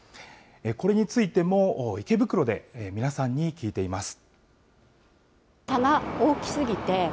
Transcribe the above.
これについても、池袋で皆さんに聞いています。